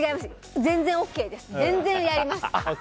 全然ＯＫです、全然やります！